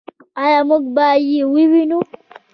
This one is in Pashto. آیا موږ به یې ووینو؟